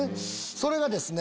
それがですね